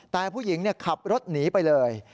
แต่ผู้หญิงขับรถหนีไปเลย